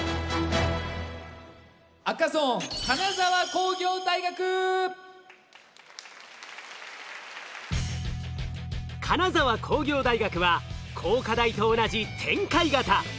赤ゾーン金沢工業大学は工科大と同じ展開型。